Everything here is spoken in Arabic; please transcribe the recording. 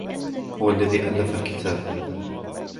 هو الذي ألف الكتاب.